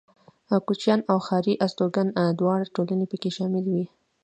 کوچيان او ښاري استوگن دواړه ټولنې پکې شاملې وې.